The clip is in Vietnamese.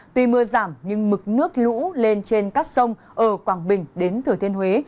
tùy mưa giảm nhưng mực nước lũ lên trên các sông ở quảng bình đến thử thiên huế